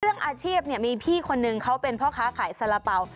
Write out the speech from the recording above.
เรื่องอาชีพเนี่ยมีพี่คนนึงเขาเป็นพ่อค้าขายสาระเป๋า